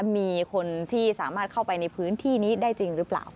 มีคนที่สามารถเข้าไปในพื้นที่นี้ได้จริงหรือเปล่า